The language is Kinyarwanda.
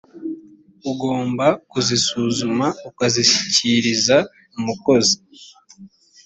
ugomba kuzisuzuma ukazishyikiriza umukozi